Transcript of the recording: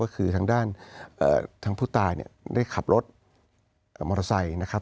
ก็คือทางด้านทางผู้ตายเนี่ยได้ขับรถมอเตอร์ไซค์นะครับ